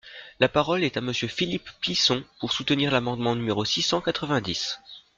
La parole est à Monsieur Philippe Plisson, pour soutenir l’amendement numéro six cent quatre-vingt-dix.